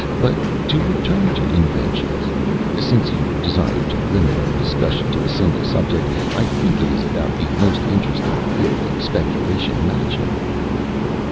But to return to inventions, since you desire to limit our discussion to a single subject, I think it is about the most interesting field of speculation imaginable."